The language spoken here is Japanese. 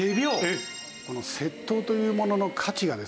節刀というものの価値がですね